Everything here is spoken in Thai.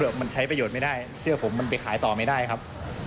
มันใช้ประโยชน์ไม่ได้เสื้อผมมันไปขายต่อไม่ได้ครับ